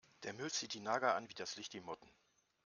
Der Müll zieht die Nager an wie das Licht die Motten.